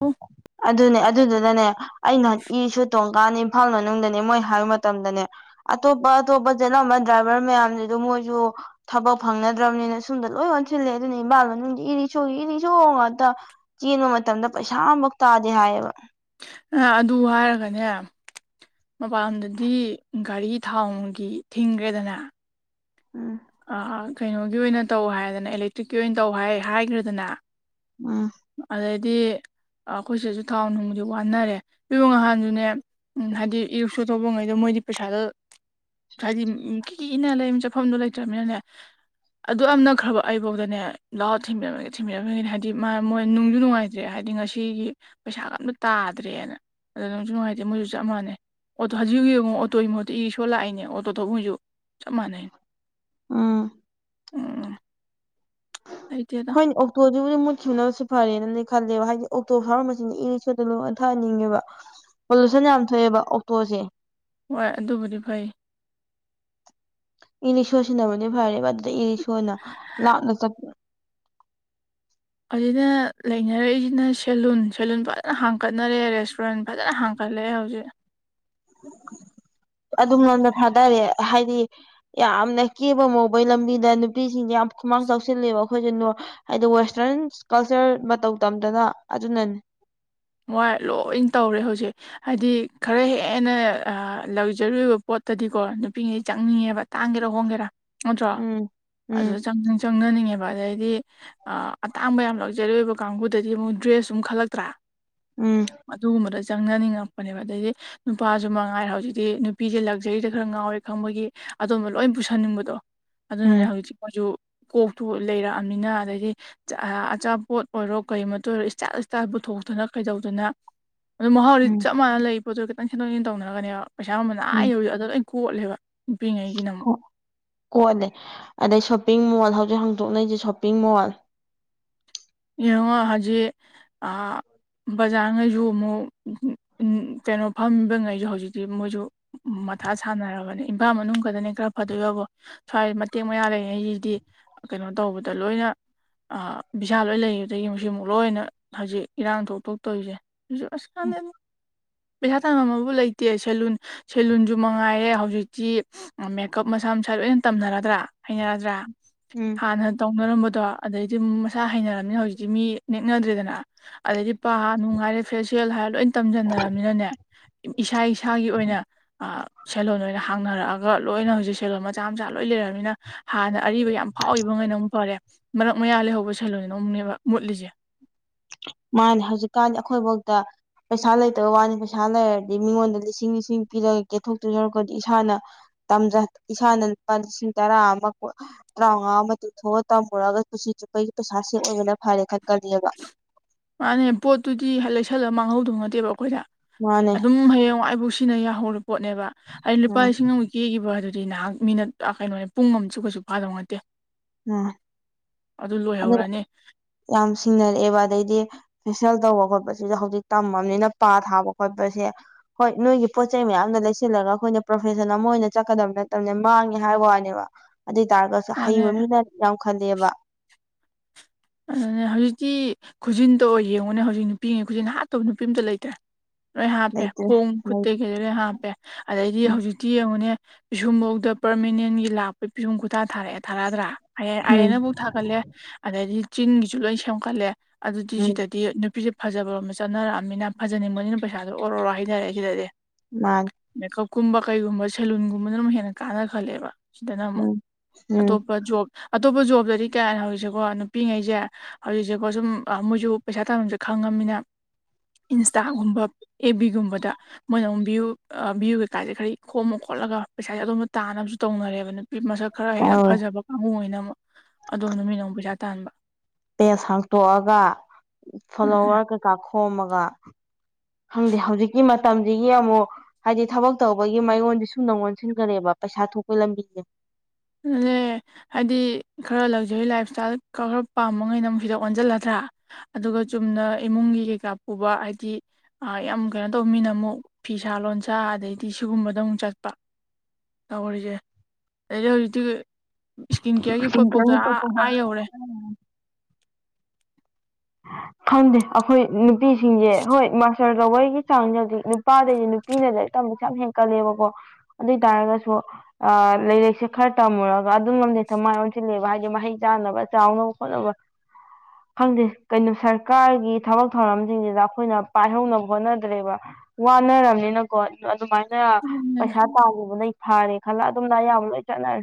[unintelligible] ꯑꯗꯨꯅꯦ ꯑꯗꯨꯗꯨꯅꯅꯦ ꯑꯩꯅ ꯏ ꯁꯨ ꯇꯣꯡꯀꯥꯟ ꯏꯝꯐꯥꯜ ꯃꯅꯨꯡꯗꯅꯦ ꯃꯣꯏ ꯍꯥꯏꯕ ꯃꯇꯝꯗꯅꯦ ꯑꯇꯣꯞꯄ ꯑꯇꯣꯞꯄ ꯆꯠꯂꯝꯕ ꯗ꯭ꯔꯥꯏꯚꯔ ꯃꯌꯥꯝꯖꯤꯖꯨ ꯃꯣꯏꯖꯨ ꯊꯕꯛ ꯐꯪꯅꯗ꯭ꯔꯝꯅꯤꯅ ꯁꯨꯝꯗ ꯂꯣꯏ ꯑꯣꯟꯁꯤꯜꯂꯦ ꯑꯗꯨꯅ ꯏꯝꯕꯥꯥꯜ ꯃꯅꯨꯡꯗꯤ ꯏꯔꯤꯛꯁꯣꯒꯤ ꯏꯔꯤꯛꯁꯣ ꯉꯥꯇ ꯆꯦꯟꯕ ꯃꯇꯝꯗ ꯄꯩꯁꯥ ꯑꯝꯕꯧ ꯇꯥꯗꯦ ꯍꯥꯏꯌꯦꯕ ꯑꯥ ꯑꯗꯨ ꯍꯥꯏꯔꯒꯅꯦ ꯃꯄꯥꯟ ꯂꯣꯝꯗꯗꯤ ꯒꯥꯔꯤ ꯊꯥꯎ ꯅꯨꯡꯒꯤ ꯊꯤꯡꯒ꯭ꯔꯦꯗꯅꯥ ꯎꯝ ꯑ ꯑ ꯀꯩꯅꯣꯒꯤ ꯑꯣꯏꯅ ꯇꯧ ꯍꯥꯏꯔꯦꯗꯅ ꯑꯦꯂꯦꯛꯇ꯭ꯔꯤꯛꯀꯤ ꯑꯣꯏꯅ ꯇꯧ ꯍꯥꯏ ꯍꯥꯏꯒ꯭ꯔꯦꯗꯅꯥ ꯎꯝ ꯑꯗꯩꯗꯤ ꯑꯈꯣꯏ ꯁꯤꯗꯗꯨ ꯊꯥꯎ ꯅꯨꯡꯗꯤ ꯋꯥꯅꯔꯦ [unintelligible] ꯉꯍꯥꯟꯖꯨꯅꯦ ꯎꯝ ꯍꯥꯏꯗꯤ ꯏꯔꯤꯛꯁꯣ ꯊꯧꯕꯉꯩꯗꯣ ꯃꯣꯏꯗꯤ ꯄꯩꯁꯥꯗꯣ ꯊ꯭ꯔꯥꯢꯗꯤꯝ ꯎꯝ ꯀꯤ ꯀꯤ ꯏꯟꯅꯔ ꯂꯩꯔꯝ ꯆꯠꯐꯝꯗꯣ ꯂꯩꯇ꯭ꯔꯝꯃꯤꯅꯅꯦ ꯑꯗꯨꯌꯥꯝ ꯅꯛꯈ꯭ꯔꯕ ꯑꯩꯕꯧꯗꯅꯦ ꯂꯥꯛꯑꯣ ꯊꯤꯟꯕꯤꯔꯝꯃꯒꯦ ꯊꯤꯟꯕꯤꯔꯝꯃꯒꯦꯅ ꯍꯥꯏꯗꯤ ꯃꯥ ꯃꯣꯏ ꯅꯨꯡꯖꯨ ꯅꯨꯡꯉꯥꯏꯇ꯭ꯔꯦ ꯍꯥꯏꯗꯤ ꯉꯁꯤꯒꯤ ꯄꯩꯁꯥꯒ ꯑꯝꯇ ꯇꯥꯗ꯭ꯔꯦꯅ ꯑꯗꯣ ꯅꯨꯡꯁꯨ ꯅꯨꯡꯉꯥꯏꯇꯦ ꯃꯣꯏꯖꯨ ꯆꯞ ꯃꯥꯟꯅꯩ ꯑꯣꯇꯣ ꯍꯖꯤꯛ ꯌꯦꯡꯉꯣ ꯑꯣꯇꯣꯒꯤ ꯃꯍꯨꯠꯇ ꯏꯔꯤꯛꯁꯣ ꯂꯥꯛꯏꯅꯦ ꯑꯣꯇꯣ ꯊꯧꯕ ꯉꯩꯖꯨ ꯆꯞ ꯃꯥꯟꯅꯩ ꯎꯝ ꯎꯝ ꯂꯩꯇꯦꯗ ꯍꯣꯏꯅꯦ ꯑꯣꯛꯇꯣꯗꯨꯕꯨꯗꯤ ꯃꯨꯠꯈꯤꯕꯅꯕꯁꯨ ꯐꯔꯦꯅꯗꯤ ꯈꯜꯂꯦꯕ ꯍꯥꯏꯗꯤ ꯑꯣꯛꯇꯣ ꯊꯧꯔꯝꯕꯁꯤꯡꯖꯦ ꯏꯔꯤꯛꯁꯣꯗ ꯂꯣꯏ ꯑꯣꯟꯊꯍꯟꯅꯤꯡꯉꯦꯕ ꯄꯣꯂꯨꯁꯟ ꯌꯥꯝ ꯊꯣꯛꯑꯦꯕ ꯑꯣꯛꯇꯣꯖꯦ ꯍꯣꯏ ꯑꯗꯨꯕꯨꯗꯤ ꯐꯩ ꯏꯂꯤꯁꯣ ꯁꯤꯅꯕꯨꯗꯤ ꯐꯔꯦꯕ ꯑꯗꯨꯗ ꯏꯔꯤꯛꯁꯣꯅ ꯂꯥꯞꯅ ꯆꯠ ꯑꯁꯤꯅ ꯂꯩꯅꯔꯛꯏꯁꯤꯅ ꯁꯦꯂꯨꯟ ꯁꯦꯂꯨꯟ ꯐꯖꯅ ꯍꯥꯡꯀꯠꯅꯔꯦ ꯔꯦꯁꯇꯨꯔꯦꯟ ꯐꯖꯅ ꯍꯥꯡ ꯒꯠꯂꯦ ꯍꯧꯖꯤꯛ ꯑꯗꯨꯝꯔꯣꯝꯗ ꯊꯥꯗꯔꯦ ꯍꯥꯏꯗꯤ ꯌꯥꯝꯅ ꯀꯦꯕ ꯃꯧꯕꯩ ꯂꯝꯕꯤꯗ ꯅꯨꯄꯤꯁꯤꯡꯁꯦ ꯌꯥꯝ ꯈꯨꯃꯥꯡ ꯆꯥꯎꯁꯤꯜꯂꯦꯕ ꯑꯦꯈꯣꯏꯁꯦ ꯅꯣꯔ ꯍꯥꯏꯗꯤ ꯋꯦꯁꯇ꯭ꯔꯟ ꯀꯜꯆꯔ ꯃꯇꯧ ꯇꯝꯗꯅ ꯑꯗꯨꯅꯅꯤ ꯃꯣꯏ ꯂꯣꯏ ꯇꯧꯔꯦ ꯍꯧꯖꯤꯛ ꯍꯥꯏꯗꯤ ꯈꯔ ꯍꯦꯟꯅ ꯑ ꯂꯛꯖꯔꯤ ꯑꯣꯏꯕ ꯄꯣꯠꯇꯗꯤꯀꯣ ꯅꯨꯄꯤꯉꯩ ꯆꯪꯅꯤꯡꯉꯦꯕ ꯇꯥꯡꯒꯦꯔ ꯍꯣꯡꯒꯦꯔ ꯅꯠꯇ꯭ꯔꯣ ꯎꯝ ꯎꯝ ꯑꯗꯨꯗ ꯆꯪ ꯆꯪꯅꯅꯤꯡꯉꯦꯕ ꯑꯗꯩꯗꯤ ꯑ ꯑꯇꯥꯡꯕ ꯌꯥꯝ ꯂꯛꯖꯔꯤ ꯑꯣꯏꯕ ꯀꯥꯡꯕꯨꯗꯗꯤ ꯑꯃꯨꯛ ꯗ꯭ꯔꯦꯁꯁꯨ ꯑꯝ ꯈꯜꯂꯛꯇ꯭ꯔ ꯎꯝ ꯑꯗꯨꯒꯨꯝꯕꯗꯣ ꯆꯪꯅꯅꯤꯡꯉꯛꯄꯅꯦꯕ ꯑꯗꯩꯗꯤ ꯅꯨꯄꯥꯁꯨ ꯃꯉꯥꯏꯔꯦ ꯍꯧꯖꯤꯛꯇꯤ ꯅꯨꯄꯤꯁꯦ ꯂꯛꯖꯔꯤꯗ ꯈꯔ ꯉꯥꯎꯋꯦ ꯈꯪꯕꯒꯤ ꯑꯗꯣꯝꯕ ꯂꯣꯏ ꯄꯨꯁꯟꯅꯤꯡꯕꯗꯣ ꯑꯗꯨꯅꯅꯦ ꯎꯝ ꯍꯧꯖꯤꯛꯇꯤ ꯃꯣꯏꯁꯨ ꯀꯣꯛꯇꯨ ꯂꯩꯔꯛꯑꯝꯅꯤꯅ ꯑꯗꯩꯗꯤ ꯑꯆꯥ ꯑꯆꯥꯄꯣꯠ ꯑꯣꯏꯔꯣ ꯀꯔꯤꯃꯇ ꯑꯣꯏꯔꯣ ꯏꯁꯇꯥꯏꯜ ꯏꯁꯇꯥꯏꯜ ꯄꯨꯊꯣꯛꯇꯅ ꯀꯩꯗꯧꯗꯅ ꯑꯗꯣ ꯃꯍꯥꯎꯗꯤ ꯎꯝ ꯆꯞ ꯃꯥꯟꯅ ꯂꯩ ꯄꯣꯠꯇꯣ ꯈꯤꯇꯪ ꯁꯦꯝꯗꯣꯛ ꯁꯦꯝꯖꯤꯟ ꯇꯧꯅꯔꯒꯅꯦꯕ ꯄꯩꯁꯥ ꯃꯃꯟ ꯑꯥ ꯎꯝ ꯌꯧꯋꯤꯗꯣ ꯑꯗ ꯂꯣꯏ ꯀꯣꯠꯂꯦꯕ ꯅꯨꯄꯤꯉꯩꯒꯤꯅ ꯑꯃꯨꯛ ꯀꯣꯠꯂꯦ ꯑꯗꯩ ꯁꯣꯄꯤꯡ ꯃꯣꯜ ꯍꯧꯖꯤꯛ ꯍꯥꯡꯗꯣꯛꯅꯩꯁꯦ ꯁꯣꯄꯤꯡ ꯃꯣꯜ ꯌꯦꯡꯉꯣ ꯍꯧꯖꯤꯛ ꯑꯥ ꯕꯖꯥꯔꯉꯩꯁꯨ ꯑꯃꯨꯛ ꯀꯩꯅꯣ ꯐꯝꯕꯉꯩꯁꯨ ꯍꯧꯖꯤꯛꯇꯤ ꯃꯣꯏꯁꯨ ꯃꯊꯥ ꯁꯥꯟꯅꯔꯕꯅꯦ ꯏꯝꯐꯥꯜ ꯃꯅꯨꯡ ꯈꯠꯇꯅꯦ ꯈꯔ ꯐꯗꯣꯏꯕꯕꯨ ꯁ꯭ꯋꯥꯏ ꯃꯇꯦꯛ ꯃꯌꯥ ꯂꯩꯅꯩꯁꯤꯗꯤ ꯀꯩꯅꯣ ꯇꯧꯕꯗ ꯂꯣꯏꯅ ꯑ ꯚꯤ ꯁꯥꯜ ꯂꯣꯏ ꯂꯩꯒꯤꯕꯗꯒꯤ ꯃꯁꯤ ꯑꯃꯨꯛ ꯂꯣꯏꯅ ꯍꯧꯖꯤꯛ ꯏꯔꯥꯡ ꯊꯣꯛ ꯊꯣꯛ ꯇꯧꯔꯤꯁꯦ ꯑꯗꯨ ꯑꯁ ꯈꯟꯗꯦꯗ ꯄꯩꯁꯥ ꯇꯥꯡꯕꯝ ꯑꯕꯨ ꯂꯩꯇꯦ ꯁꯦꯂꯨꯟ ꯁꯦꯂꯨꯟꯁꯨ ꯃꯉꯥꯏꯔꯦ ꯍꯧꯖꯤꯛꯇꯤ ꯃꯦꯀꯞ ꯃꯁꯥ ꯃꯁꯥ ꯂꯣꯏꯅ ꯇꯝꯅꯔꯗ꯭ꯔ ꯍꯩꯅꯔꯗ꯭ꯔꯥ ꯎꯝ ꯍꯥꯟꯅ ꯇꯧꯅꯔꯝꯕꯗꯣ ꯑꯗꯩꯗꯤ ꯃꯁꯥ ꯍꯩꯅꯔꯝꯅꯤꯅ ꯍꯧꯖꯤꯛꯇꯤ ꯃꯤ ꯅꯦꯛꯅꯗ꯭ꯔꯦꯗꯅ ꯑꯗꯩꯗꯤ ꯄꯥ ꯅꯨꯡ ꯍꯥꯏꯔꯦ ꯐꯦꯁꯤꯌꯦꯜ ꯍꯥꯏꯔꯦ ꯂꯣꯏ ꯇꯝꯖꯟꯅꯔꯝꯅꯤꯅꯅꯦ ꯏꯁꯥ ꯏꯁꯥꯒꯤ ꯑꯣꯏꯅ ꯑꯥ ꯁꯦꯜꯂꯣꯟ ꯑꯣꯏꯅ ꯍꯥꯡꯅꯔꯛꯑꯒ ꯂꯣꯏꯅ ꯍꯧꯖꯤꯛ ꯁꯦꯂꯣꯟ ꯃꯆꯥ ꯃꯆꯥ ꯂꯣꯏ ꯂꯩꯔꯕꯅꯤꯅ ꯍꯥꯟꯅ ꯑꯔꯤꯕ ꯌꯥꯝ ꯐꯥꯎꯒꯤꯕ ꯉꯩꯅ ꯑꯃꯨꯛ ꯐꯔꯦ ꯃꯔꯛ ꯃꯌꯥ ꯂꯩꯍꯧꯕ ꯁꯜꯂꯣꯟꯗꯅ ꯑꯃꯨꯛꯅꯦꯕ ꯃꯨꯠꯂꯤꯁꯦ ꯃꯥꯅꯦ ꯍꯧꯖꯤꯛꯀꯥꯟꯗꯤ ꯑꯩꯈꯣꯏꯐꯧꯗ ꯄꯩꯁꯥ ꯂꯩꯇꯕ ꯋꯥꯅꯤ ꯄꯩꯁꯥ ꯂꯩꯔꯗꯤ ꯃꯤꯉꯣꯟꯗ ꯂꯤꯁꯤꯡ ꯂꯤꯁꯤꯡ ꯄꯤꯔꯒ ꯀꯦꯊꯣꯛꯇꯣꯏ ꯌꯧꯔꯛꯄꯗꯤ ꯏꯁꯥꯅ ꯇꯝꯖꯟ ꯏꯁꯥꯅ ꯂꯨꯄꯥ ꯂꯤꯁꯤꯡ ꯇꯔꯥ ꯑꯃ [unintelligible] ꯇꯔꯥꯎꯉꯥ ꯑꯃ ꯇꯤꯡꯊꯣꯛꯑꯒ ꯇꯝꯃꯨꯔꯒ ꯄꯨꯟꯁꯤ ꯆꯨꯞꯄꯒꯤ ꯄꯩꯁꯥ ꯁꯦꯕ ꯑꯣꯢꯕꯅ ꯐꯔꯦ ꯈꯟꯀꯅꯤꯕ ꯃꯥꯅꯦ ꯄꯣꯠꯇꯨꯗꯤ ꯂꯩꯁꯜꯂ ꯃꯥꯡꯍꯧꯗꯧ ꯅꯠꯇꯦꯕ ꯑꯩꯈꯣꯏꯗ ꯃꯥꯅꯦ ꯑꯗꯨꯝ ꯍꯌꯦꯡꯋꯥꯏꯐꯧ ꯁꯤꯅ ꯌꯥꯍꯧꯔ ꯄꯣꯠꯅꯦꯕ ꯑꯩ ꯂꯨꯄꯥ ꯎꯝ ꯂꯤꯁꯤꯡ ꯑꯃ [unintelligible] ꯀꯦꯒꯤꯕ ꯑꯗꯨꯗꯤ ꯅꯍꯥꯛ ꯃꯤꯅꯠ ꯀꯩꯅꯣꯅꯦ ꯄꯨꯡ ꯑꯃ ꯆꯨ ꯀꯩꯁꯨ ꯐꯥꯗꯧ ꯅꯠꯇꯦ [unintelligible] ꯑꯗꯨ ꯂꯣꯏꯍꯧꯔꯅꯤ ꯌꯥꯝ ꯁꯤꯡꯅꯔꯛꯑꯦꯕ ꯑꯗꯩꯗꯤ ꯐꯦꯁꯤꯌꯦꯜ ꯇꯧꯕ ꯈꯣꯠꯄꯁꯤꯁꯨ ꯍꯧꯖꯤꯛ ꯇꯝꯃꯕꯅꯤꯅ ꯄꯥ ꯊꯥꯕ ꯈꯣꯠꯄꯁꯦ ꯍꯣꯏ ꯅꯣꯏꯒꯤ ꯄꯣꯠ ꯆꯩꯩ ꯃꯌꯥꯝꯅ ꯂꯩꯁꯤꯜꯂꯒ ꯑꯩꯈꯣꯏꯅ ꯄ꯭ꯔꯣꯐꯦꯁꯟ ꯑꯃ ꯑꯣꯏꯅ ꯆꯠꯀꯗꯕ ꯅꯠꯇꯕꯅꯦ ꯃꯥꯡꯉꯦ ꯍꯥꯏꯕ ꯋꯥꯅꯦꯕ ꯑꯗꯨꯏ ꯇꯥꯔꯒꯁꯨ ꯑꯗꯨꯅꯦ ꯍꯩꯕ ꯃꯤꯅ ꯌꯥꯝ ꯈꯜꯂꯦꯕ ꯑꯗꯨꯅꯦ ꯍꯧꯖꯤꯛꯇꯤ ꯈꯨꯖꯤꯟꯗꯣ ꯌꯦꯡꯉꯨꯅꯦ ꯍꯧꯖꯤꯛ ꯅꯨꯄꯤꯉꯩ ꯈꯨꯖꯤꯟ ꯍꯥꯠꯇꯕ ꯅꯨꯄꯤ ꯑꯝꯇ ꯂꯩꯇ꯭ꯔꯦ ꯂꯣꯏ ꯍꯥꯞꯄꯦ ꯂꯩꯇ꯭ꯔꯦ ꯈꯣꯡ ꯂꯩ ꯈꯨꯠꯇꯥꯒꯤ ꯂꯣꯏ ꯍꯥꯞꯄꯦ ꯑꯗꯩꯗꯤ ꯎꯝ ꯍꯧꯖꯤꯛꯇꯤ ꯌꯦꯡꯉꯨꯅꯦ ꯄꯤꯁꯨꯝꯐꯧꯗ ꯄꯔꯃꯤꯅꯦꯟꯒꯤ ꯂꯥꯛꯄꯩ ꯄꯤꯁꯨꯝ ꯈꯨꯊꯥ ꯊꯥꯔꯛꯑꯦ ꯊꯥꯔꯗ꯭ꯔꯥ ꯑꯥꯏꯔꯦꯟꯅꯕꯨꯛ ꯊꯥꯒꯠꯂꯦ ꯑꯗꯩꯗꯤ ꯆꯤꯡꯒꯤꯁꯨ ꯂꯣꯏ ꯁꯦꯝꯒꯠꯂꯦ ꯑꯗꯨꯗꯤ ꯎꯝ ꯁꯤꯗꯗꯤ ꯅꯨꯄꯤꯁꯦꯄ ꯐꯖꯕꯔꯣꯝ ꯆꯠꯅꯔꯛꯑꯕꯃꯤꯅ ꯐꯖꯅꯤꯡꯕꯅꯤꯅ ꯄꯩꯁꯥꯗꯣ ꯑꯣꯔ ꯑꯣꯔꯣ ꯍꯩꯊꯔꯛꯑꯦ ꯁꯤꯗꯗꯤ ꯃꯥꯅꯦ ꯃꯦꯀꯞꯀꯨꯝꯕ ꯀꯩꯒꯨꯝꯕ ꯁꯦꯂꯨꯟꯒꯨꯝꯕꯅ ꯑꯗꯝ ꯍꯦꯟꯅ ꯀꯥꯟꯅ ꯈꯜꯂꯦꯕ ꯁꯤꯗꯅ ꯑꯃꯨꯛ ꯎꯝ ꯎꯝ ꯑꯇꯣꯞꯄ ꯖꯣ ꯑꯇꯣꯞꯄ ꯖꯣꯕꯇꯗꯤ ꯀꯌꯥ ꯍꯧꯔꯤꯁꯦꯀꯣ ꯄꯤꯏꯉꯩꯁꯦ ꯍꯧꯖꯤꯛꯁꯦꯀꯣ ꯁꯨꯝ ꯃꯣꯏꯁꯨ ꯄꯩꯁꯥ ꯇꯥꯐꯝꯁꯦ ꯈꯪꯉꯝꯅꯤꯅ ꯏꯟꯁꯇꯥꯒꯨꯝꯕ ꯑꯦ ꯕꯤꯒꯨꯝꯕꯗ ꯃꯣꯏꯅ ꯑꯃꯨꯛ ꯚ꯭ꯌꯨ ꯚꯌꯨ ꯀꯩꯀꯥꯁꯦ ꯈꯔ ꯈꯣꯝꯃ ꯈꯣꯠꯂ ꯄꯩꯁꯥꯁꯦ ꯑꯗꯣꯝꯗ ꯇꯥꯅꯕꯁꯨ ꯇꯧꯅꯔꯦꯕ ꯅꯨꯄꯤ ꯃꯁꯛ ꯈꯔ ꯍꯦꯟꯅ ꯇꯧꯋꯦ ꯐꯖꯕ ꯀꯥꯡꯕꯨ ꯑꯣꯏꯅ ꯑꯃꯨꯛ ꯑꯗꯣꯝ ꯅꯨꯃꯤꯠꯅꯥ ꯑꯃꯨ ꯄꯩꯁꯥ ꯇꯥꯟꯕ ꯄꯦꯖ ꯍꯥꯡꯇꯣꯛꯑꯒ ꯑꯗꯨꯅ ꯐꯣꯂꯣꯋꯔ ꯀꯩꯀꯥ ꯈꯣꯝꯃꯒ ꯈꯪꯗꯦ ꯍꯧꯖꯤꯛꯀꯤ ꯃꯇꯝꯌꯤꯒꯤ ꯑꯃꯨꯛ ꯍꯥꯏꯗꯤ ꯊꯕꯛ ꯇꯧꯕꯒꯤ ꯃꯌꯣꯟꯗꯤ ꯁꯨꯝꯅ ꯑꯣꯟꯁꯤꯟꯈꯔꯦꯕ ꯄꯩꯁꯥ ꯊꯣꯛꯄꯩ ꯂꯝꯕꯤꯁꯦ ꯂꯦ ꯍꯥꯏꯗꯤ ꯈꯔ ꯂꯛꯖꯔꯤ ꯂꯥꯏꯞ ꯏꯁꯇꯥꯏꯜ ꯈꯔ ꯄꯥꯝꯕꯉꯩꯗ ꯑꯃꯨꯛ ꯁꯤꯗ ꯑꯣꯟꯁꯤꯜꯂꯗ꯭ꯔꯥ ꯑꯗꯨꯒ ꯆꯨꯝꯅ ꯏꯃꯨꯡꯒꯤ ꯀꯩꯀꯥ ꯄꯨꯕ ꯍꯥꯏꯗꯤ ꯌꯥꯝ ꯀꯩꯅꯣ ꯇꯧꯅꯤꯅ ꯑꯃꯨꯛ ꯐꯤꯁꯥ ꯂꯣꯟꯁꯥ ꯑꯗꯩꯗꯤ ꯁꯤꯒꯨꯝꯕꯗ ꯑꯃꯨꯛ ꯆꯠꯄ ꯇꯧꯔꯤꯁꯦ ꯑꯩꯅ ꯍꯧꯖꯤ ꯏꯁꯀꯤꯟ ꯀꯦꯌꯔꯒꯤ ꯄꯣꯠꯐꯥꯎꯗ ꯑ ꯑꯥ ꯌꯧꯔꯦ ꯈꯪꯗꯦ ꯑꯩꯈꯣꯏ ꯅꯨꯄꯤꯁꯤꯡꯁꯦ ꯍꯣꯏ ꯃꯥ ꯄꯔ ꯇꯧꯕꯩꯒꯤ ꯆꯥꯡꯗꯥꯗꯤ ꯅꯨꯄꯥꯗꯩ ꯅꯨꯄꯤꯅꯗ ꯇꯝꯕꯩꯆꯥꯡ ꯌꯥꯝ ꯍꯦꯟꯀꯠꯂꯦꯕꯀꯣ ꯑꯗꯧ ꯇꯔꯒꯁꯨ ꯑꯥ ꯂꯩꯥꯏꯔꯛꯁꯦ ꯈꯔ ꯇꯝꯃꯨꯔꯒ ꯑꯗꯨꯝ ꯉꯝꯗꯦꯛꯇ ꯃꯥꯏ ꯑꯣꯟꯁꯤꯜꯂꯦꯕ ꯍꯥꯏꯗꯤ ꯃꯍꯩ ꯆꯥꯅꯕ ꯆꯥꯎꯅꯕ ꯈꯣꯠꯅꯕ ꯐꯪꯗꯦ ꯀꯩꯅꯣ ꯁꯔꯀꯥꯔꯒꯤ ꯊꯕꯛ ꯊꯧꯔꯝꯁꯤꯡꯁꯤꯗ ꯑꯩꯈꯣꯏꯅ ꯄꯥꯏꯍꯧꯅꯕ ꯍꯣꯠꯅꯗ꯭ꯔꯦꯕ ꯋꯥꯟꯔꯝꯅꯤꯅ ꯀꯣꯏ ꯑꯗꯨꯃꯥꯏꯅ ꯄꯩꯁꯥ ꯇꯥꯉꯕ ꯅ ꯊꯥꯒꯤ ꯈꯜꯂ ꯑꯗꯨꯝꯅ ꯑꯌꯥꯝꯕ ꯂꯣꯏ ꯆꯠꯅꯔꯦ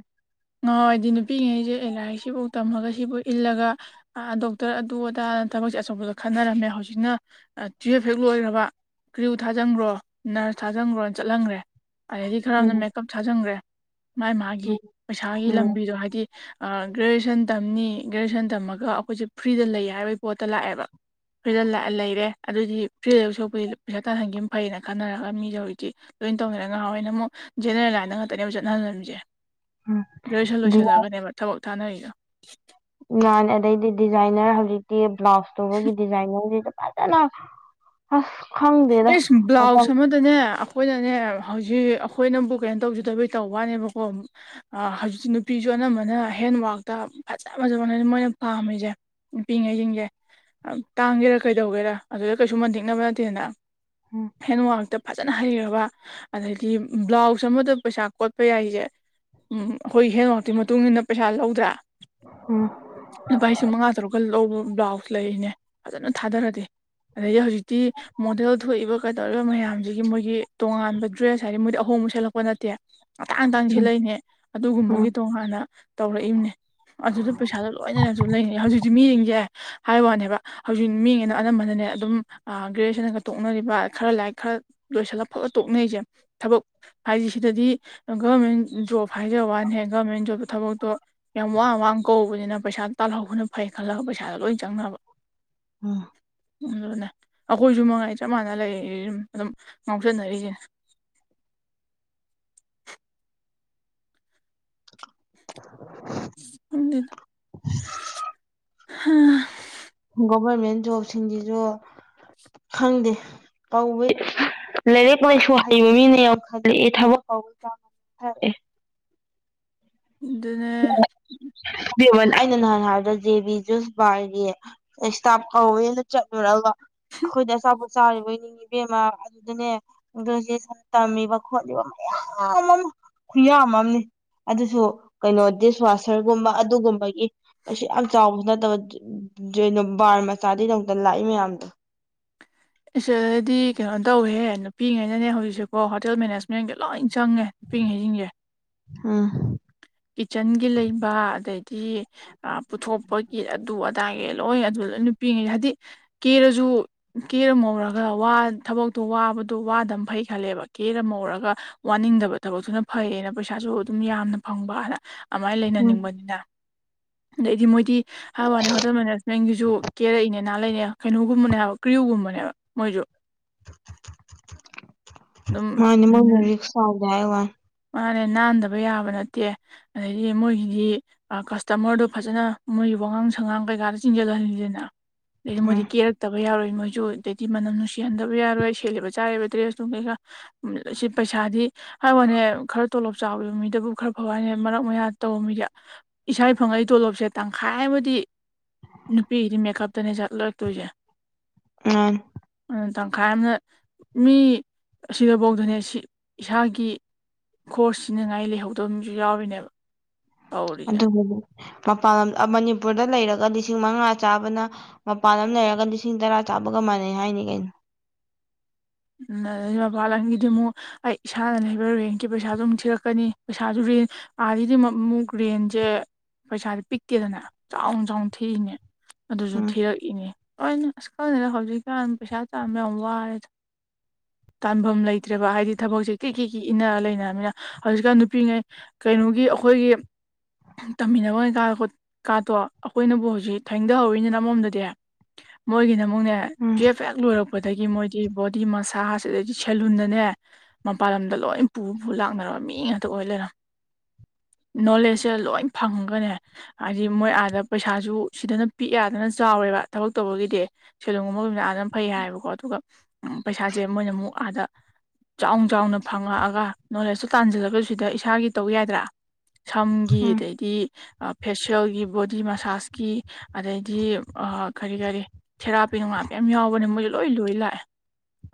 ꯉꯥꯍꯟ ꯋꯥꯏꯗꯤ ꯅꯨꯄꯤꯉꯩꯁꯦ ꯑꯦ ꯂꯥꯏꯔꯤꯛꯁꯤꯐꯥꯎ ꯇꯝꯃꯒ ꯁꯤꯕꯨ ꯏꯜꯂꯒ ꯗꯣꯛꯇꯔ ꯑꯗꯨ ꯑꯗꯥꯅ ꯊꯕꯛꯁꯦ ꯑꯆꯧꯕꯗ ꯈꯟꯅꯔꯝꯃꯦ ꯍꯧꯖꯤꯛꯅ ꯇꯨꯋꯐ ꯍꯦꯛ ꯂꯣꯏꯈ꯭ꯔꯕ ꯀ꯭ꯔꯌꯨ ꯊꯥꯖꯟꯈ꯭ꯔꯣ ꯅꯔꯁ ꯊꯥꯖꯟꯈ꯭ꯔꯣꯅ ꯆꯠꯍꯟꯈ꯭ꯔꯦ ꯑꯗꯩꯗꯤ ꯈꯔꯅ ꯎꯝ ꯃꯦꯀꯞ ꯊꯥꯖꯤꯟꯈ꯭ꯔꯦ ꯃꯥꯥꯏ ꯃꯥꯒꯤ ꯎꯝ ꯄꯩꯁꯥꯒꯤ ꯎꯝ ꯂꯝꯕꯤꯗꯣ ꯍꯥꯏꯗꯤ ꯒ꯭ꯔꯦꯖꯨꯋꯦꯁꯟ ꯇꯝꯅꯤ ꯒ꯭ꯔꯦꯖꯨꯋꯦꯁꯟ ꯇꯝꯃꯒ ꯑꯩꯈꯣꯏꯁꯦ ꯐ꯭ꯔꯤꯗ ꯂꯩ ꯍꯥꯏꯕꯒꯤ ꯄꯣꯠꯇ ꯂꯥꯛꯑꯦꯕ ꯐ꯭ꯔꯤꯇ ꯂꯛꯑꯦ ꯂꯩꯔꯦ ꯑꯗꯨꯏꯗꯤ ꯐ꯭ꯔꯤꯗ ꯂꯩꯗꯧ ꯁꯣꯛꯄꯨꯗꯤ ꯄꯩꯁꯥ ꯇꯥꯍꯟꯈꯤꯕ ꯐꯩꯌꯦꯅ ꯈꯟꯅꯔꯒ ꯃꯤꯁꯨ ꯍꯧꯖꯤꯛꯇꯤ ꯂꯣꯏꯅ ꯇꯧꯅꯔꯦ ꯉꯥꯍꯥꯋꯥꯢꯅ ꯑꯃꯨꯛ ꯖꯦꯅꯦꯔꯦꯜ ꯂꯥꯏꯟꯗ ꯉꯥꯛꯇꯅꯦ ꯆꯠꯅꯍꯟꯔꯃꯤꯁꯦ ꯎꯝ ꯒ꯭ꯔꯦꯖꯨꯔꯦꯁꯜ ꯂꯣꯏꯁꯜꯂꯒꯅꯦꯕ ꯊꯕꯛ ꯊꯥꯅꯔꯤꯗꯣ ꯉꯥꯅꯦ ꯑꯗꯩꯗꯤ ꯗꯤꯖꯥꯏꯅꯔ ꯍꯧꯖꯤꯛꯇꯤ ꯕ꯭ꯂꯥꯎꯁ ꯇꯨꯕꯒꯤ ꯗꯤꯖꯥꯏ [unintelligible] ꯆꯠꯂꯣ ꯑꯁ ꯈꯪꯗꯦꯗ ꯑꯧꯄꯧ ꯑꯗꯨꯗꯅꯦ ꯑꯩꯈꯣꯏꯅꯅꯦ ꯍꯧꯖꯤꯛ ꯑꯩꯈꯣꯏꯅꯕꯨ ꯀꯩꯅꯣ ꯇꯧꯖꯗꯕꯩ ꯇꯧꯕ ꯋꯥꯅꯦꯕꯀꯣ ꯑꯥ ꯍꯧꯖꯤꯛ ꯅꯨꯄꯤꯖꯨ ꯑꯅꯝꯕꯅ ꯍꯦꯟꯋꯥꯛꯇ ꯐꯖ ꯐꯖ ꯃꯅ ꯃꯣꯏꯅ ꯄꯥꯝꯃꯤꯖꯦ ꯅꯨꯄꯤꯉꯩꯒꯤꯁꯤꯡꯁꯦ ꯇꯥꯡꯒꯦꯔ ꯀꯩꯗꯧꯒꯦꯔ ꯑꯗꯨꯗ ꯀꯩꯁꯨ ꯃꯟꯇꯤꯛꯅꯕ ꯅꯠꯇꯦꯗꯅ ꯎꯝ ꯍꯦꯟꯋꯥꯛꯇ ꯐꯖꯅ ꯍꯩꯔꯕ ꯑꯗꯩꯗꯤ ꯕ꯭ꯂꯥꯎꯁ ꯑꯃꯗ ꯄꯩꯁꯥ ꯀꯣꯠꯄ ꯌꯥꯔꯤꯖꯦ ꯎꯝ ꯑꯩꯈꯣꯏ ꯍꯦꯟꯋꯥꯛꯇꯨꯢ ꯃꯇꯨꯡ ꯏꯟꯅ ꯄꯩꯁꯥ ꯂꯧꯗ꯭ꯔꯥ ꯑꯣ ꯂꯨꯄꯥ ꯂꯤꯁꯤꯡ ꯃꯉꯥ ꯇꯔꯨꯛꯀ ꯂꯧꯕ ꯕ꯭ꯂꯥꯎꯁ ꯂꯩꯔꯤꯅꯦ ꯐꯖꯅ ꯊꯥꯗꯔꯗꯤ ꯑꯗꯩꯗꯤ ꯍꯧꯖꯤꯛꯇꯤ ꯃꯣꯗꯦꯜ ꯊꯣꯛꯏꯕ ꯀꯗꯧꯔꯤꯕ ꯃꯌꯥꯝꯁꯤꯒꯤ ꯃꯣꯏꯒꯤ ꯇꯣꯉꯥꯟꯕ ꯗ꯭ꯔꯦꯁ ꯍꯥꯏꯗꯤ ꯃꯣꯏꯗꯤ ꯑꯍꯣꯡꯕ ꯁꯦꯠꯂꯛꯄ ꯅꯠꯇꯦ ꯑꯇꯥꯡ-ꯑꯇꯥꯡ ꯎꯝ ꯁꯦꯠꯂꯛꯢꯅꯦ ꯎꯝ ꯑꯗꯨꯒꯨꯝꯕꯒꯤ ꯇꯣꯉꯥꯟꯅ ꯇꯧꯔꯛꯏꯝꯅꯦ ꯑꯗꯨꯗ ꯄꯩꯁꯥꯗꯣ ꯂꯣꯏꯅꯁꯨ ꯂꯩꯅꯩ ꯍꯧꯖꯤꯛꯇꯤ ꯃꯤꯁꯤꯡꯖꯦ ꯍꯥꯏ ꯋꯥꯅꯦꯕ ꯍꯧꯖꯤꯛ ꯃꯤꯉꯤꯒꯩꯗꯣ ꯑꯅꯝꯕꯅꯅꯦ ꯑꯗꯨꯝ ꯑꯥ ꯒ꯭ꯔꯦꯖꯨꯌꯦꯁꯟꯗꯒ ꯇꯣꯛꯅꯔꯤꯕ ꯈꯔ ꯂꯥꯏꯔꯤꯛ ꯈꯔ ꯂꯣꯏꯁꯤꯜꯂꯒ ꯐꯠ-ꯐꯠ ꯇꯣꯛꯅꯩꯁꯦ ꯊꯕꯛ ꯍꯥꯏꯗꯤ ꯁꯤꯗꯗꯤ ꯒꯚꯔꯃꯦꯟ ꯖꯣꯕ ꯍꯥꯏꯖꯕ ꯋꯥꯅꯦ ꯒꯔꯃꯦꯟ ꯖꯣꯕꯇꯣ ꯊꯕꯛꯇꯣ ꯌꯥꯝ ꯋꯥ-ꯋꯥ ꯀꯧꯕꯅꯤꯅ ꯄꯩꯁꯥ ꯇꯥꯜꯍꯧꯕꯅ ꯐꯩ ꯈꯜꯂꯒ ꯄꯩꯁꯥꯗ ꯂꯣꯏ ꯆꯪꯅꯕ ꯑꯥ ꯑꯗꯨꯅꯦ ꯑꯩꯈꯣꯏꯖꯨ ꯃꯉꯥꯏ ꯆꯞ ꯃꯥꯟꯅ ꯂꯩꯔꯤ ꯑꯗꯨꯝ ꯑꯗꯨꯝ ꯉꯥꯎꯆꯠꯅꯔꯤꯁꯤꯅꯦ ꯈꯪꯗꯦꯗ ꯍꯥ ꯒꯣꯚꯔꯃꯦꯟ ꯖꯣꯕꯁꯤꯡꯖꯤꯖꯨ ꯈꯪꯗꯦ ꯇꯧꯕꯩ ꯂꯥꯏꯔꯤꯛ ꯂꯥꯏꯁꯨ ꯍꯩꯕ ꯃꯤꯅ ꯌꯥꯝꯈꯠ ꯂꯛꯑꯦ ꯊꯕꯛ [unintelligible] ꯑꯦ ꯑꯗꯨꯅꯦ ꯢꯕꯦꯝꯃꯥ ꯑꯩꯅ ꯅꯍꯥꯟ ꯍꯥꯏꯔꯕꯗꯣ ꯖꯦꯕꯤ ꯖꯨꯁ ꯕꯥꯔꯒꯤ ꯑꯦꯁꯇꯥꯞ ꯀꯧꯋꯦꯅ ꯆꯠꯂꯨꯔꯒ ꯑꯩꯈꯣꯏꯗꯤ ꯑꯆꯥꯥꯄꯣꯠ ꯆꯥꯔꯤꯕꯣꯏ ꯅꯤꯡꯉꯤ ꯏꯕꯦꯝꯃ ꯑꯗꯨꯗꯅꯦ ꯒ꯭ꯔꯖꯨꯑꯦꯁꯟ ꯇꯝꯃꯤꯕ ꯈꯣꯠꯂꯤꯕ ꯃꯌꯥꯝ ꯑꯃ ꯈꯨꯌꯥꯝ ꯑꯃꯅꯤ ꯑꯗꯨꯁꯨ ꯀꯩꯅꯣ ꯗꯤꯁꯋꯥꯁꯔꯒꯨꯝꯕ ꯑꯗꯨꯒꯨꯝꯕꯒꯤ ꯀꯩꯁꯨꯌꯥꯝ ꯆꯥꯎꯕꯁꯨ ꯅꯠꯇꯕ ꯖꯦꯅꯣ ꯕꯥꯔ ꯃꯆꯥꯗꯨꯒꯤꯗꯃꯛꯇ ꯂꯥꯛꯏ ꯃꯌꯥꯝꯗꯣ ꯏꯁꯦꯗꯤ ꯀꯩꯅꯣ ꯇꯧꯋꯤꯍꯦ ꯅꯨꯄꯤꯉꯩꯅꯅꯦ ꯍꯧꯖꯤꯛꯁꯦꯀꯣ ꯍꯣꯇꯦꯜ ꯃꯦꯅꯦꯖꯃꯦꯟꯒꯤ ꯂꯣꯏ ꯆꯪꯉꯦ ꯅꯨꯄꯤꯉꯩꯖꯤꯡꯖꯦ ꯑꯥ ꯀꯤꯠꯆꯟꯒꯤ ꯂꯩꯕ ꯑꯗꯩꯗꯤ ꯑ ꯄꯨꯊꯣꯛꯄꯒꯤ ꯑꯗꯨ ꯑ ꯗꯥꯒꯤ ꯂꯣꯏ ꯑꯗꯨ ꯂꯣꯏ ꯅꯨꯄꯤꯉꯩ ꯍꯥꯏꯗꯤ ꯀꯦꯔꯖꯨ ꯀꯦꯔꯥ ꯃꯧꯔꯒ ꯋꯥ ꯊꯕꯛꯇꯣ ꯋꯥꯕꯗꯣ ꯋꯥꯗꯝ ꯐꯩ ꯈꯜꯂꯦꯕ ꯀꯦꯔꯥ ꯃꯧꯔꯒ ꯋꯥꯅꯤꯡꯗꯕ ꯊꯕꯛꯇꯨꯅ ꯐꯩꯌꯦꯅ ꯄꯩꯁꯥꯁꯨ ꯑꯗꯨꯝ ꯌꯥꯝꯅ ꯐꯪꯕꯅ ꯑꯃꯥꯏ ꯎꯝ ꯂꯩꯅꯅꯤꯡꯕꯅꯤꯅ ꯑꯗꯩꯗꯤ ꯃꯣꯏꯗꯤ ꯍꯥꯏꯕ ꯋꯥꯅꯦ ꯍꯣꯇꯦꯜ ꯃꯦꯅꯦꯖꯃꯦꯟꯒꯤꯁꯨ ꯀꯦꯔꯛꯏꯅꯦ ꯅꯥꯜꯂꯛꯢꯅꯦ ꯀꯩꯅꯣꯒꯨꯝꯕꯅꯦ ꯍꯥꯏꯕ ꯀ꯭ꯔꯤꯌꯨꯒꯨꯝꯕꯅꯦꯕ ꯃꯣꯏꯖꯨ ꯑꯗꯨꯝ ꯃꯥꯅꯦ ꯃꯣꯏꯅ ꯔꯤꯛꯁ ꯆꯥꯎꯗꯦ ꯍꯥꯢ ꯋꯥꯅꯦ ꯃꯥꯅꯦ ꯅꯥꯟꯗꯕ ꯌꯥꯕ ꯅꯠꯇꯦ ꯑꯗꯩꯗꯤ ꯃꯣꯏꯒꯤꯗꯤ ꯐ ꯀꯁꯇꯃꯔꯗꯣ ꯐꯖꯅ ꯃꯣꯏꯒꯤ ꯋꯥꯉꯥꯡ ꯁꯉꯥꯡ ꯀꯩꯀꯥꯗ ꯆꯤꯡꯖꯜꯍꯟꯂꯤꯅꯤꯗꯥꯅ ꯑꯗꯩꯗꯤ ꯃꯣꯢꯗꯤ ꯎꯝ ꯀꯦꯔꯛ ꯇꯕ ꯌꯥꯔꯣꯏ ꯃꯣꯏꯖꯨ ꯑꯗꯩꯗꯤ ꯃꯅꯝ ꯅꯨꯡꯁꯤꯍꯟꯗꯕ ꯌꯥꯔꯣꯏ ꯁꯦꯠꯂꯤꯕ ꯆꯥꯔꯤꯕ ꯗ꯭ꯔꯦꯁ ꯅꯨꯡ ꯀꯩꯀꯥ ꯎꯝ ꯁꯤ ꯄꯩꯁꯥꯗꯤ ꯍꯥꯏꯋꯥꯅꯦ ꯈꯔ ꯇꯣꯂꯣꯞ ꯆꯥꯎꯕ ꯃꯤꯗꯕꯨ ꯈꯔ ꯐꯕ ꯋꯥꯅꯦ ꯃꯔꯛ ꯃꯌꯥ ꯇꯧꯕ ꯃꯤꯗꯤ ꯏꯁꯥꯢ ꯐꯪꯉꯛꯏ ꯇꯣꯂꯣꯞꯁꯦ ꯇꯪꯈꯥꯏ ꯑꯃꯗꯤ ꯅꯨꯄꯤꯒꯤꯗꯤ ꯃꯦꯀꯞꯇꯅꯦ ꯆꯠꯂꯛꯇꯣꯏꯁꯦ [unintelligible] ꯑꯗꯨꯅ ꯇꯪꯈꯥꯏ ꯑꯃꯅ ꯃꯤ ꯑꯁꯤꯗꯚꯧꯗꯅꯦ ꯁꯤ ꯏꯁꯥꯒꯤ ꯈꯣꯔꯁ ꯁꯤꯅꯉꯥꯏ ꯂꯩꯍꯧꯗꯕ ꯃꯤꯖꯨ ꯌꯥꯎꯔꯤꯅꯦꯕ ꯇꯧꯔꯤꯁꯦ ꯑꯗꯨꯕꯨꯕꯨ ꯃꯄꯥꯟ ꯂꯝ ꯑꯥ ꯃꯅꯤꯄꯨꯔꯗ ꯂꯩꯔꯒ ꯂꯤꯁꯤꯡ ꯃꯉꯥ ꯆꯥꯕꯅ ꯃꯄꯥꯟ ꯂꯝ ꯂꯩꯔꯒ ꯂꯤꯁꯤꯡ ꯇꯔꯥ ꯆꯥꯕꯒ ꯃꯥꯟꯅꯩ ꯍꯥꯏꯅꯤ ꯀꯩꯅꯣ ꯎꯝ ꯑꯥ ꯃꯄꯥꯟꯂꯝꯒꯤꯗꯤ ꯑꯃꯨꯛ ꯑꯩ ꯏꯁꯥꯅ ꯂꯩꯕ ꯔꯦꯟꯀꯤ ꯄꯩꯁꯥꯗꯨ ꯑꯃꯨꯛ ꯊꯤꯔꯛꯀꯅꯤ ꯄꯩꯁꯥꯁꯨ ꯔꯦꯟ ꯑꯥꯒꯤꯗꯤ ꯑꯃꯨꯛ ꯔꯦꯟꯖꯦ ꯄꯩꯁꯥꯗꯤ ꯄꯤꯛꯇꯦꯗꯅ ꯆꯥꯎꯅ ꯆꯥꯎꯅ ꯊꯤꯔꯤꯅꯦ ꯑꯗꯨꯁꯨ ꯎꯝ ꯊꯤꯔꯛꯏꯅꯤ ꯍꯣꯏꯅꯦ ꯑꯁ ꯈꯪꯗꯦꯗ ꯍꯧꯖꯤꯛꯀꯥꯟ ꯄꯩꯁꯥ ꯇꯥꯟꯕ ꯌꯥꯝ ꯋꯥꯔꯦꯗ ꯇꯥꯟꯐꯝ ꯂꯩꯇ꯭ꯔꯦꯕ ꯍꯥꯏꯗꯤ ꯊꯕꯛꯁꯦ ꯀꯤꯛ ꯀꯤꯛ ꯀꯤꯛ ꯏꯟꯅꯔ ꯂꯩꯅꯔꯕꯅꯤꯅ ꯍꯧꯖꯤꯛꯀꯥꯟ ꯅꯨꯄꯤꯉꯩ ꯀꯩꯅꯣꯒꯤ ꯑꯩꯈꯣꯏꯒꯤ ꯇꯝꯃꯤꯟꯅꯕ ꯀꯩꯀꯥ ꯈꯣꯠ ꯀꯥꯗꯣ ꯑꯩꯈꯣꯏꯅꯕꯨ ꯍꯧꯖꯤꯛ ꯊꯦꯡꯗꯍꯧꯔꯤꯅꯤꯅ ꯑꯃꯔꯣꯝꯗꯗꯤ ꯃꯣꯏꯒꯤꯅ ꯑꯃꯨꯛꯅꯦ ꯎꯝ ꯇꯨꯌꯦꯐ ꯍꯦꯛ ꯂꯣꯏꯔꯛꯄꯗꯒꯤ ꯃꯣꯏꯗꯤ ꯕꯣꯠ ꯗꯤ ꯃꯁꯥꯁ ꯑꯗꯩꯗꯤ ꯁꯦꯂꯨꯟꯗꯅꯦ ꯃꯄꯥꯟ ꯂꯝꯗ ꯂꯣꯏ ꯄꯨ ꯄꯨ ꯂꯥꯛꯅꯔꯕ ꯃꯤ ꯉꯥꯛꯇ ꯑꯣꯏ ꯂꯩꯔꯝ ꯅꯣꯂꯦꯖꯁꯦ ꯂꯣꯏ ꯐꯪꯒꯅꯦ ꯍꯥꯏꯗꯤ ꯃꯣꯏ ꯑꯥꯗ ꯄꯩꯁꯥꯁꯨ ꯁꯤꯗꯅ ꯄꯤꯛ ꯑꯦ ꯑꯥꯗꯅ ꯆꯥꯎꯋꯦꯕ ꯊꯕꯛ ꯇꯧꯕꯒꯤꯗꯤ ꯁꯦꯂꯣꯡꯒꯨꯝꯕ ꯑꯣꯢꯕꯅꯤꯅ ꯑꯥꯗꯅ ꯐꯩ ꯍꯥꯏꯌꯦꯕꯀꯣ ꯑꯗꯨꯒ ꯄꯩꯁꯥꯁꯦ ꯃꯣꯏꯅ ꯑꯃꯨꯛ ꯑꯥꯗ ꯆꯥꯎꯅ ꯆꯥꯎꯅ ꯐꯪꯉꯛꯑꯒ ꯅꯣꯂꯦꯖꯁꯨ ꯇꯥꯟꯖꯜꯂꯒ ꯁꯤꯗ ꯏꯁꯥꯒꯤ ꯇꯧ ꯌꯥꯢꯗꯅ ꯁꯝꯒꯤ ꯎꯝ ꯑꯗꯩꯗꯤ ꯑꯥ ꯐꯦꯁꯤꯌꯦꯜꯒꯤ ꯕꯣꯗꯤ ꯃꯁꯥꯁꯀꯤ ꯑꯗꯩꯗꯤ ꯑꯥ ꯀꯔꯤ ꯀꯔꯤ ꯊꯦꯔꯥꯄꯤ ꯅꯨꯡꯉꯥꯄꯤ ꯌꯥꯝ ꯌꯥꯎꯕꯅꯦ ꯃꯣꯏꯗꯤ ꯂꯣꯏ ꯂꯣꯏ ꯂꯥꯛꯑꯦ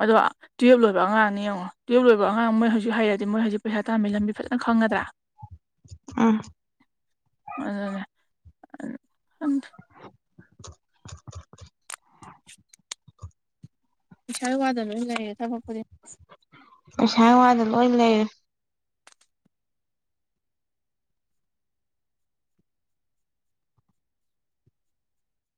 ꯑꯗꯣ ꯇꯨꯌꯦꯜꯞ ꯂꯣꯏꯕ ꯑꯉꯥꯡꯅꯤ ꯌꯦꯡꯉꯣ ꯇꯨꯌꯦꯜ ꯂꯣꯏꯕ ꯑꯉꯥꯡ ꯃꯣꯏ ꯍꯧꯖꯤꯛ ꯍꯩꯔꯗꯤ ꯃꯣꯏ ꯍꯧꯖꯤꯛ ꯄꯩꯁꯥ ꯇꯥꯥꯟꯕꯩ ꯂꯝꯕꯤ ꯐꯖꯅ ꯈꯪꯉꯗ꯭ꯔꯥ ꯎꯝ ꯑꯗꯨꯅꯦ ꯑꯟ ꯑꯟ [inaudible] ꯄꯩꯁꯥꯏ ꯋꯥꯗ ꯂꯣꯏꯅ ꯂꯩꯔꯦꯗ ꯍꯧꯔꯛꯄꯗꯤ ꯄꯩꯁꯥꯢ ꯋꯥꯗ ꯂꯣꯏ ꯂꯩꯔꯦ